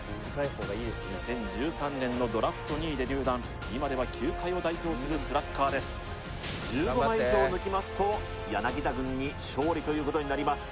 ２０１３年のドラフト２位で入団今では球界を代表するスラッガーです１５枚以上抜きますと柳田軍に勝利ということになります